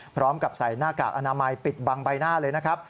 ใส่หน้ากากอนามัยปิดบังใบหน้าเลยนะครับ